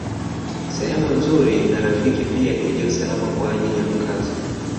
Sehemu nzuri na rafiki pia iliyo salama kwa ajili ya makazi